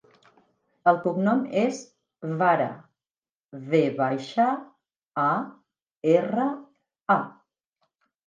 El cognom és Vara: ve baixa, a, erra, a.